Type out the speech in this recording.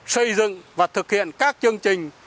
xây dựng và thực hiện các chương trình